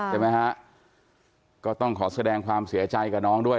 ใช่ไหมฮะก็ต้องขอแสดงความเสียใจกับน้องด้วย